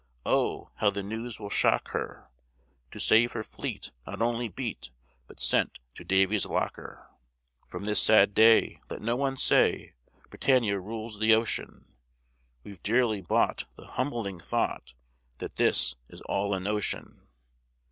Oh! how the news will shock her, To have her fleet not only beat, But sent to Davy's locker. From this sad day, let no one say Britannia rules the ocean: We've dearly bought the humbling thought, That this is all a notion.